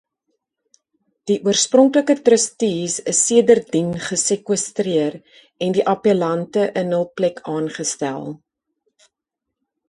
Die oorspronklike trustees is sedertdien gesekwestreer en die appellante in hul plek aangestel.